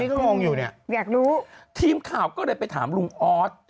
ก็งงอยู่เนี่ยอยากรู้ทีมข่าวก็เลยไปถามลุงออส